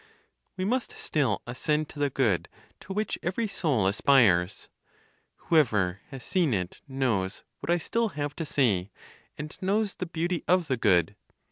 We must still ascend to the Good to which every soul aspires. Whoever has seen it knows what I still have to say, and knows the beauty of the Good.